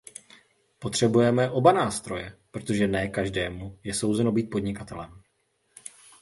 Potřebujeme oba nástroje, protože ne každému je souzeno být podnikatelem.